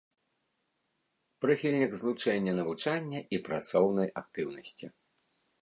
Прыхільнік злучэння навучання і працоўнай актыўнасці.